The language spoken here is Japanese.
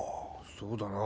そうだな。